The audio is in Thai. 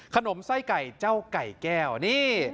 ไส้ไก่เจ้าไก่แก้วนี่